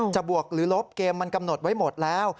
บวกหรือลบเกมมันกำหนดไว้หมดแล้ว